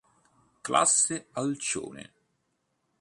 Classe Alcione